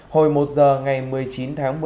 hồi một giờ ngày một mươi chín tháng một mươi